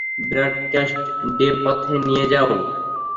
Broadcast ডেপথে নিয়ে যাও।